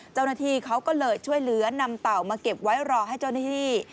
เจ้าหน้าที่เขาก็เลยช่วยเหลือนำเต่ามาเก็บไว้รอให้เจ้าหน้าที่